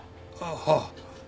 はあ。